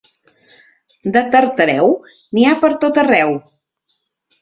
De Tartareu, n'hi ha pertot arreu.